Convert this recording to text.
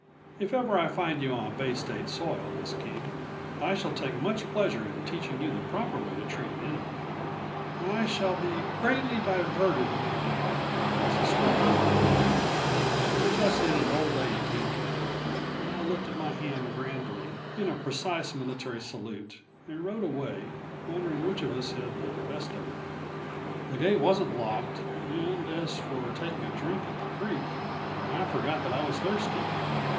"If ever I find you on Bay State soil, Miss King, I shall take much pleasure in teaching you the proper way to treat an enemy." "I shall be greatly diverted, no doubt," was the scornful reply of her and just then an old lady came to the door, and I lifted my hand grandly in a precise military salute and rode away, wondering which of us had had the best of it. The gate wasn't locked, and as for taking a drink at the creek, I forgot that I was thirsty.